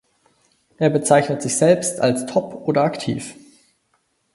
Er bezeichnet sich selbst als top oder aktiv.